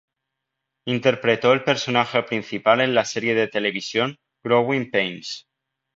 Interpretó el personaje principal en la serie de televisión "Growing Pains".